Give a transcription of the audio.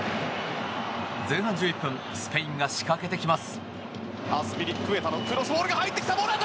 前半１１分スペインが仕掛けてきます。